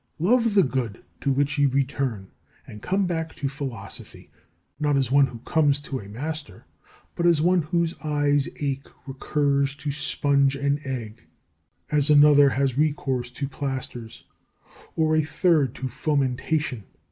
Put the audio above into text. Love the good to which you return; and come back to Philosophy, not as one who comes to a master, but as one whose eyes ache recurs to sponge and egg, as another has recourse to plasters, or a third to fomentation.